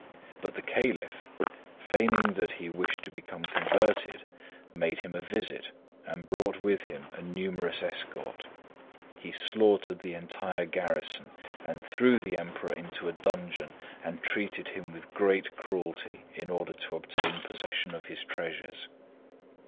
But the Caliph, feigning that he wished to become converted, made him a visit, and brought with him a numerous escort. He slaughtered the entire garrison and threw the Emperor into a dungeon, and treated him with great cruelty in order to obtain possession of his treasures.